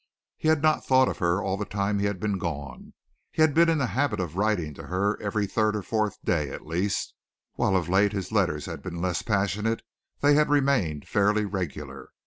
He had not thought of her all the time he had been gone. He had been in the habit of writing to her every third or fourth day at least; while of late his letters had been less passionate they had remained fairly regular.